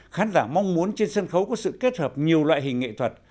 khán giả mong muốn trên sân khấu có sự kết hợp nhiều loại hình nghệ thuật